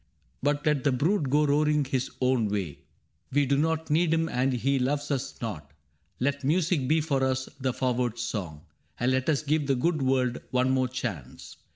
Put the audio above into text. But let the brute go roaring his own way : We do not need him, and he loves us not. Let music be for us the forward song, And let us give the good world one more chance.